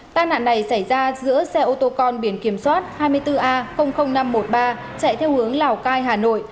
tai nạn này xảy ra giữa xe ô tô con biển kiểm soát hai mươi bốn a năm trăm một mươi ba chạy theo hướng lào cai hà nội